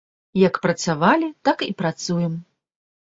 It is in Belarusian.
Як працавалі, так і працуем.